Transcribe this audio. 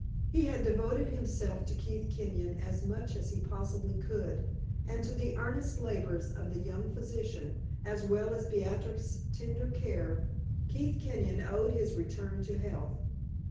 He had devoted himself to Keith Kenyon as much as he possibly could, and to the earnest labors of the young physician, as well as Beatrix's tender care, Keith Kenyon owed his return to health.